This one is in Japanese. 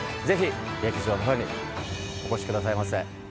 ぜひ劇場のほうにお越しくださいませ。